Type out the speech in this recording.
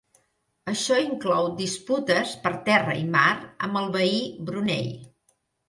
Això inclou disputes per terra i mar amb el veí Brunei.